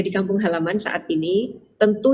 di kampung halaman saat ini tentu